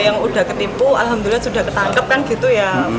yang udah ketipu alhamdulillah sudah ketangkep kan gitu ya